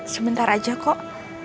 sebentar aja kok